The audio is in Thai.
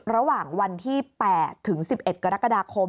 ระหว่างวันที่๘ถึง๑๑กรกฎาคม